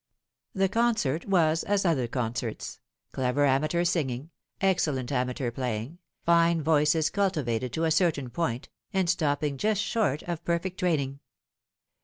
The concert was as other concerts : clever amateur singing, excellent amateur playing, fine voices cultivated to a certain point, and stopping just short of perfect training.